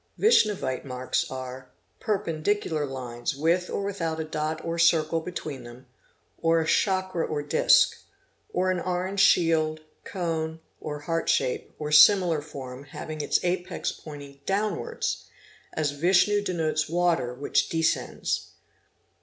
Vishnavite marks are: a Perpendicular lines with or without a dot or circle between them ; or a chakra or disc, or an orange, shield, cone, or heart shape, or similar form having its apex pointed downwards, as Vishnu denotes water which descends.